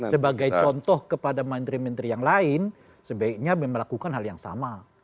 sebagai contoh kepada menteri menteri yang lain sebaiknya melakukan hal yang sama